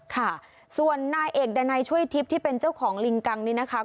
ค่ะส่วนนายเอกดันัยช่วยทิพย์ที่เป็นเจ้าของลิงกังนี้นะคะ